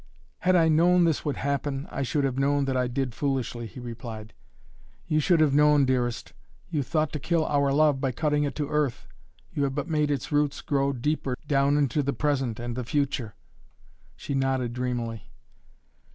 "Had I known that this would happen, I should have known that I did foolishly," he replied. "You should have known, dearest. You thought to kill our love by cutting it to earth. You have but made its roots grow deeper down into the present and the future!" She nodded dreamily.